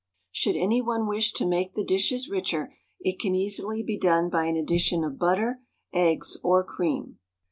Should any one wish to make the dishes richer, it can easily be done by an addition of butter, eggs, or cream.